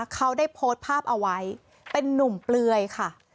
เขาได้โพสต์ภาพเอาไว้เป็นนุ่มเปลือยค่ะ